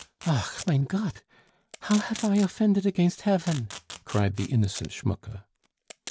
"Ach, mein Gott! how haf I offended against Hefn?" cried the innocent Schmucke.